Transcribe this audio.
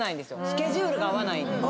スケジュールが合わない。